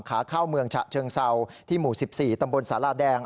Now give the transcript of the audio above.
ขาเข้าเมืองฉะเชิงเศร้าที่หมู่๑๔ตำบลสาราแดง